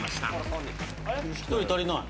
一人足りない。